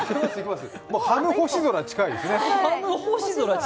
ハム星空、近いですね。